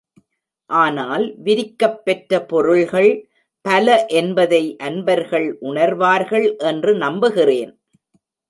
ஆனால் விரிக்கப் பெற்ற பொருள்கள் பல என்பதை அன்பர்கள் உணர்வார்கள் என்று நம்புகிறேன்.